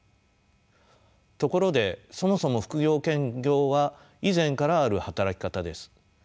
ところでそもそも副業・兼業は以前からある働き方です。